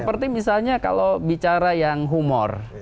seperti misalnya kalau bicara yang humor